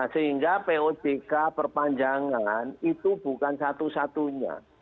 sehingga pojk perpanjangan itu bukan satu satunya